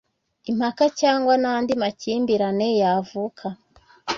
Impaka cyangwa n andi makimbirane yavuka